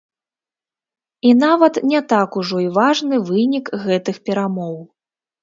І нават не так ужо і важны вынік гэтых перамоў.